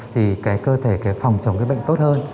thì cái cơ thể phòng chống cái bệnh tốt hơn